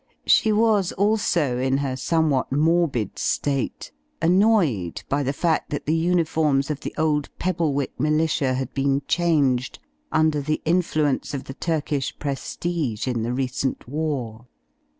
She was also, in her somewhat morbid state, annoyed by the fact that the uniforms of the old Pebblewick militia had been changed, under the influence of the Turkish prestige in the recent war.